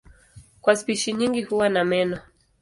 Kwa spishi nyingi huwa na meno.